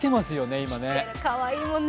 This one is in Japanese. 今ね。